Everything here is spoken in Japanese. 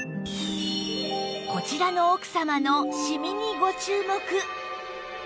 こちらの奥様のシミにご注目！